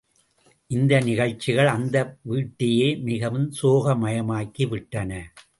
இந்த நிகழ்ச்சிகள் அந்த வீட்டையே மிகவும் சோகமயமாக்கி விட்டன.